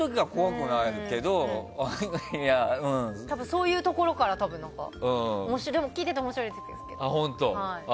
そういうところから聞いてて面白いですけど。